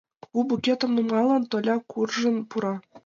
Кугу букетым нумалын, Толя куржын пура.